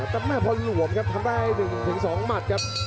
แต่แม่พอหลวมครับทำได้๑๒หมัดครับ